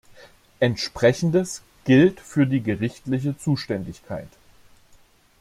Entsprechendes gilt für die gerichtliche Zuständigkeit.